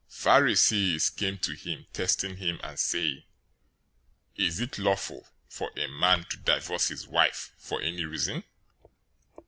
019:003 Pharisees came to him, testing him, and saying, "Is it lawful for a man to divorce his wife for any reason?"